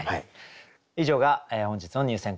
以上が本日の入選句でした。